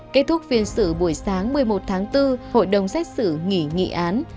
kết thúc phiên xử buổi sáng một mươi một tháng bốn hội đồng xét xử nghỉ nghị án